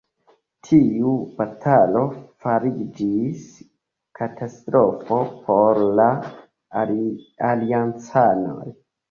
Tiu batalo fariĝis katastrofo por la aliancanoj.